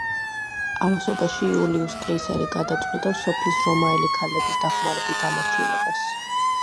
ამასობაში იულიუს კეისარი გადაწყვიტავს, სოფლის რომაელი ქალების დახმარებით დამორჩილებას.